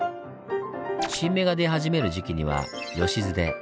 新芽が出始める時期には「よしず」で。